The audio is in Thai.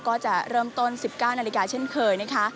ก็จะเริ่มต้น๑๙นาฬิกาเช่นเคยนะคะ